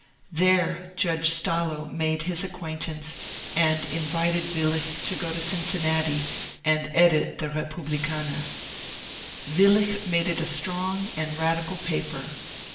There Judge Stallo made hb acquaintance, and invited Willich to go to Cincinnati and edit the ^* Eepublikaner." Willich made it a strong and radical paper.